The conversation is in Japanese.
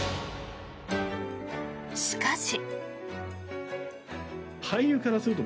しかし。